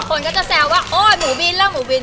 คนก็จะแซวว่าโอ๊ยหมูบินแล้วหมูบิน